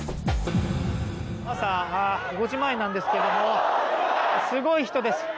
朝５時前なんですけどすごい人です。